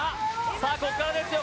さあここからですよ